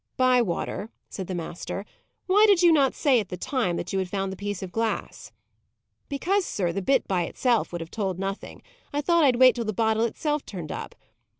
"Bywater," said the master, "why did you not say, at the time, that you found the piece of glass?" "Because, sir, the bit, by itself, would have told nothing. I thought I'd wait till the bottle itself turned up.